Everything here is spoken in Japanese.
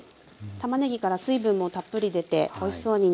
たまねぎから水分もたっぷり出ておいしそうに煮上がってます。